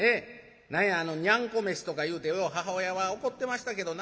何やあのにゃんこ飯とかいうてよう母親は怒ってましたけどな。